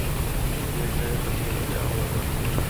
یہ گئے تو پھر کیا ہو گا؟